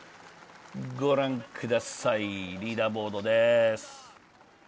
御覧ください、リーダーボードです。